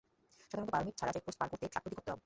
সাধারণত পারমিট ছাড়া চেকপোস্ট পার করতে ট্রাকপ্রতি কত দাও?